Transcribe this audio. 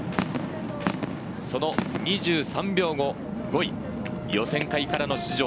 その２３秒後、５位、予選会からの出場。